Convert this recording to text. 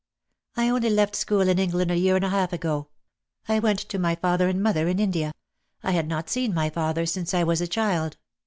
"I only left school in England a year and a half ago. I went to my father and mother in India. I had not seen my father since I was a child.